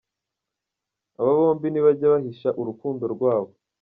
Aba bombi ntibajya bahisha urukundo rwabo.